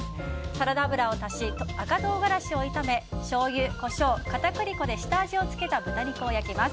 サラダ油を足し、赤唐辛子を炒めしょうゆ、コショウ、片栗粉で下味を付けた豚肉を焼きます。